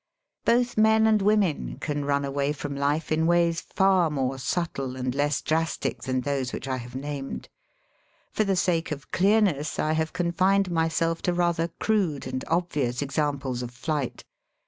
Both men and women can run away from life in ways far more subtle and less drastic than those which I have named. For the sake of clearness I have confined myself to rather crude and obvious examples of flight.